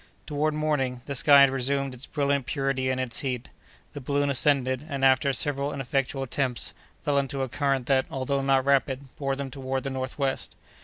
Toward morning, the sky had resumed its brilliant purity and its heat. The balloon ascended, and, after several ineffectual attempts, fell into a current that, although not rapid, bore them toward the northwest.